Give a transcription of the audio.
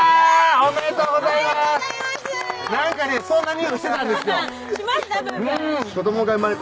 おめでとうございますしました？